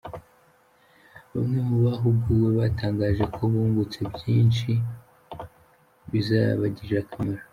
Bamwe mu bahuguwe batangaje ko bungutse byinshi bizabagirira akamaro.